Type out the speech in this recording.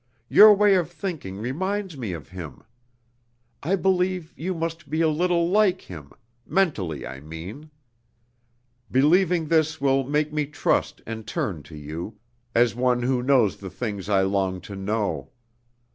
Your way of thinking reminds me of him. I believe you must be a little like him mentally, I mean. Believing this will make me trust and turn to you, as one who knows the things I long to know.